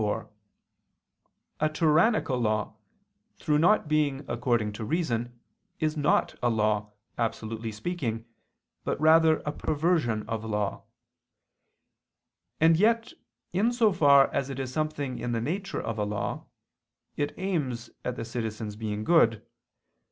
4: A tyrannical law, through not being according to reason, is not a law, absolutely speaking, but rather a perversion of law; and yet in so far as it is something in the nature of a law, it aims at the citizens' being good.